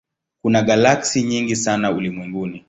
Kuna galaksi nyingi sana ulimwenguni.